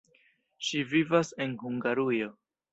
Ŝi vivas en Hungarujo.